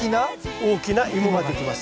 大きなイモができます。